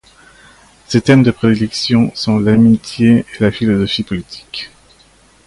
Ses thèmes de prédilections sont l'amitié et la philosophie politique.